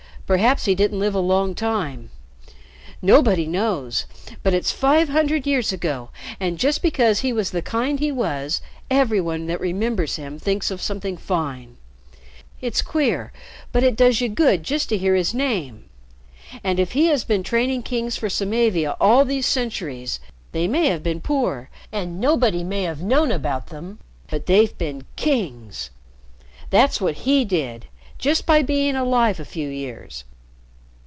Perhaps he didn't live a long time. Nobody knows. But it's five hundred years ago, and, just because he was the kind he was, every one that remembers him thinks of something fine. It's queer, but it does you good just to hear his name. And if he has been training kings for Samavia all these centuries they may have been poor and nobody may have known about them, but they've been kings. That's what he did just by being alive a few years.